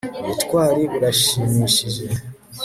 ubutwari burashimishije